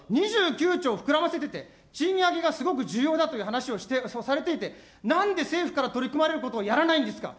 ２９兆膨らませてて、賃上げがすごく重要だという話をされていて、なんで政府から取り組まれることをやらないんですか。